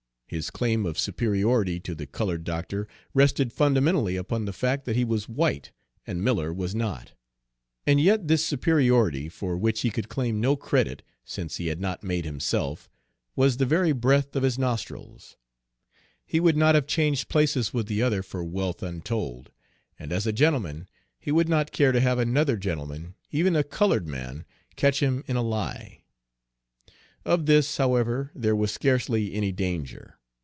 His claim of superiority to the colored doctor rested fundamentally upon the fact that he was white and Miller was not; and yet this superiority, for which he could claim no credit, since he had not made himself, was the very breath of his nostrils, he would not have changed places with the other for wealth untold; and as a gentleman, he would not care to have another gentleman, even a colored man, catch him in a lie. Of this, however, there was scarcely any danger.